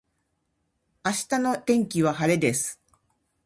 明日の天気は晴れです